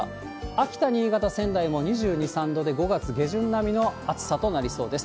秋田、新潟、仙台も２２、３度で５月下旬並みの暑さとなりそうです。